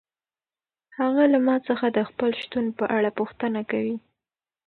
هغه له ما څخه د خپل شتون په اړه پوښتنه کوي.